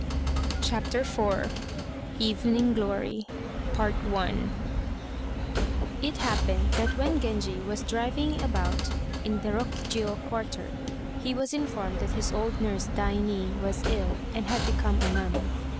"] CHAPTER IV EVENING GLORY It happened that when Genji was driving about in the Rokjiô quarter, he was informed that his old nurse, Daini, was ill, and had become a nun.